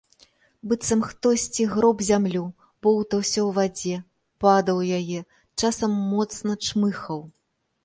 Быццам хтосьці гроб зямлю, боўтаўся ў вадзе, падаў у яе, часам моцна чмыхаў.